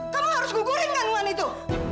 kamu harus gugurin kanan itu